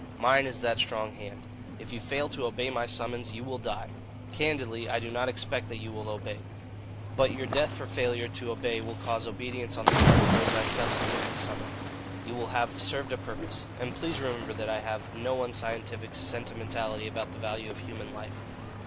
Mine is that strong hand. If you fail to obey my summons, you will die. Candidly, I do not expect that you will obey. But your death for failure to obey will cause obedience on the part of those I subsequently summon. You will have served a purpose. And please remember that I have no unscientific sentimentality about the value of human life.